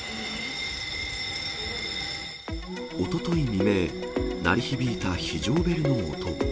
おととい未明、鳴り響いた非常ベルの音。